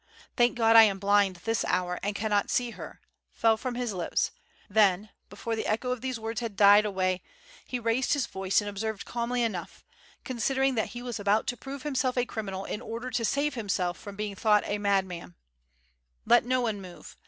"Thank God I am blind this hour and cannot see her," fell from his lips, then, before the echo of these words had died away, he raised his voice and observed calmly enough, considering that he was about to prove himself a criminal in order to save himself from being thought a madman: "Let no one move.